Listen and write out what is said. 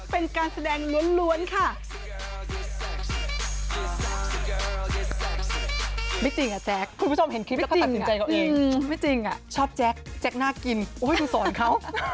เป็นการแสดงล้วนค่ะ